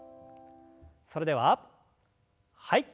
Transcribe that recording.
それでははい。